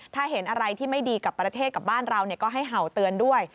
ถ้าเห็นอะไรที่ไม่ดีกับประเทศกับบ้านเราก็ให้เห่าเตือนด้วย